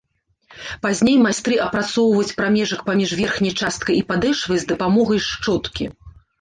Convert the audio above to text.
Пазней майстры апрацоўваюць прамежак паміж верхняй часткай і падэшвай з дапамогай шчоткі.